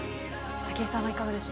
武井さんはいかがでした？